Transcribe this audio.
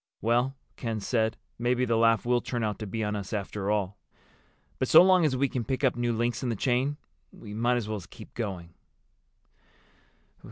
'" "Well," Ken said, "maybe the laugh will turn out to be on us after all. But so long as we can pick up new links in the chain we might as well keep going."